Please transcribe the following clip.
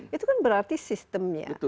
itu kan berarti sistemnya